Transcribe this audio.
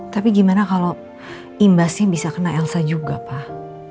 tapi gimana kalau imbasnya bisa kena elsa juga pak